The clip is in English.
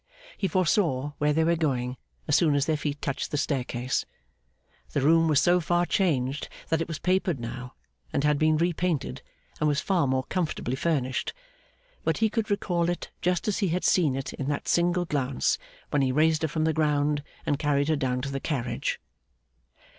He foresaw where they were going as soon as their feet touched the staircase. The room was so far changed that it was papered now, and had been repainted, and was far more comfortably furnished; but he could recall it just as he had seen it in that single glance, when he raised her from the ground and carried her down to the carriage.